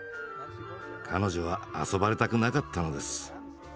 彼女は遊ばれたくなかったのです。